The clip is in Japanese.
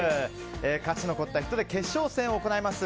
勝ち残った人で決勝戦を行います。